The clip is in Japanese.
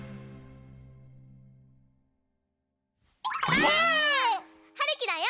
ばあっ！はるきだよ